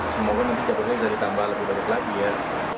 semoga nanti cabarnya bisa ditambah lebih lebih lagi ya